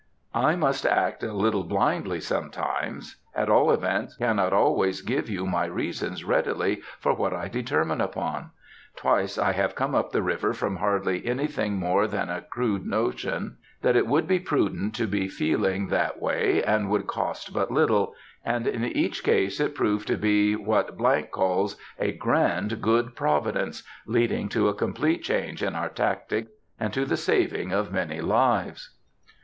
I must act a little blindly, sometimes,—at all events, cannot always give you my reasons readily for what I determine upon. Twice I have come up the river from hardly anything more than a crude notion that it would be prudent to be feeling that way, and would cost but little; and in each case it proved to be what —— calls "a grand good providence," leading to a complete change in our tactics, and to the saving of many lives....